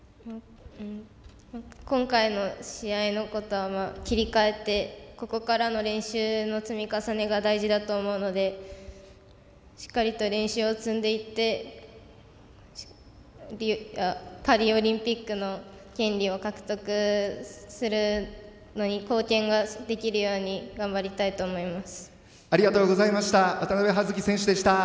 今回の試合のことは切り替えてここからの練習の積み重ねが大事だと思うのでしっかりと練習を積んでいってパリオリンピックの権利を獲得するのに貢献できるように頑張りたいと思います。